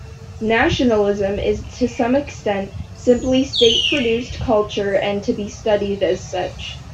Nationalism is to some extent simply state-produced culture, and to be studied as such.